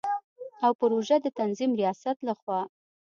او پروژو د تنظیم ریاست له خوا